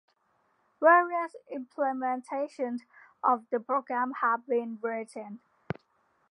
Various implementations of the program have been written.